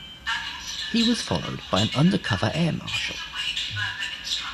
He was followed by an undercover air marshal.